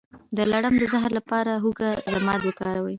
د لړم د زهر لپاره د هوږې ضماد وکاروئ